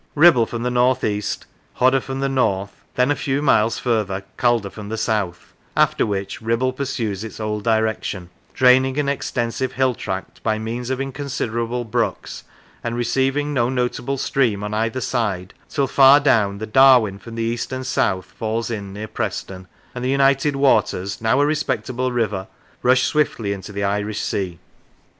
Kibble from the north east, Hodder from the north, then a few miles further, Calder from the south; after which Kibble pursues its old direction; draining an extensive hill tract by means of inconsiderable brooks, and receiving no notable stream on either side till, far down, the Darwen from the east and south falls in near Preston, and the united waters, now a respectable river, rush swiftly into the Irish sea."